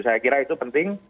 saya kira itu penting